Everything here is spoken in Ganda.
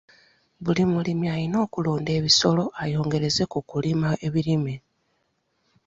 Buli mulimi alina okulunda ebisolo ayongereze ku kulima ebirime.